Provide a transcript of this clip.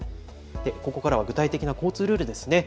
ここからは具体的な交通ルールですね。